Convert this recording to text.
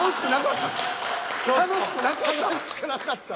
楽しくなかった？